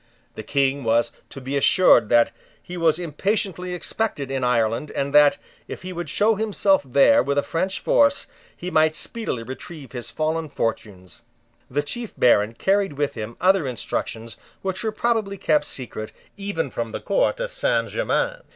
The King was to be assured that he was impatiently expected in Ireland, and that, if he would show himself there with a French force, he might speedily retrieve his fallen fortunes, The Chief Baron carried with him other instructions which were probably kept secret even from the Court of Saint Germains.